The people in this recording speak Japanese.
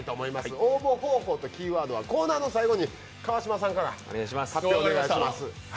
応募方法とキーワードはコーナーの最後に川島さんから発表お願いします。